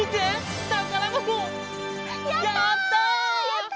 やった！